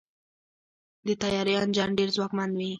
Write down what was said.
د طیارې انجن ډېر ځواکمن وي.